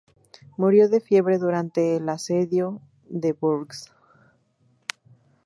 Murió de fiebre durante el asedio de Bourges.